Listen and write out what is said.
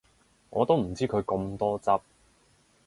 我都唔知佢咁多汁